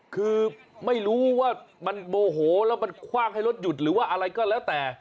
คือไม่รู้ว่ามันโมโหแล้วมันคว่างให้รถหยุดหรือว่าอะไรก็แล้วแต่